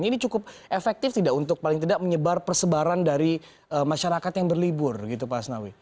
ini cukup efektif tidak untuk paling tidak menyebar persebaran dari masyarakat yang berlibur gitu pak asnawi